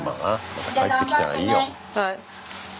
また帰ってきたらいいよ。